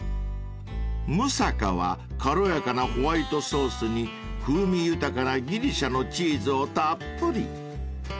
［ムサカは軽やかなホワイトソースに風味豊かなギリシャのチーズをたっぷり］